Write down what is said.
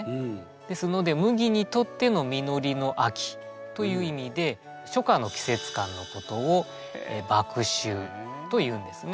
ですので麦にとっての実りの秋という意味で初夏の季節感のことを「麦秋」というんですね。